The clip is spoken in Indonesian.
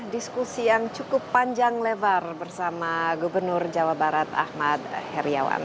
diskusi yang cukup panjang lebar bersama gubernur jawa barat ahmad heriawan